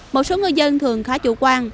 một số người dân thường khá chủ quan